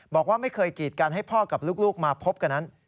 บอกว่าไม่เคยกีดกันให้พ่อกับลูกมาพบกันนั้น